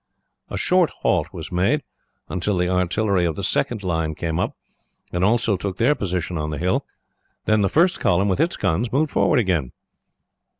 "A short halt was made, until the artillery of the second line came up, and also took their position on the hill. Then the first column, with its guns, moved forward again.